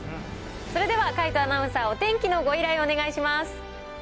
それでは海渡アナウンサー、お天気のご依頼をお願いします。